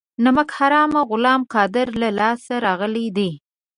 نمک حرامه غلام قادر له لاسه راغلي دي.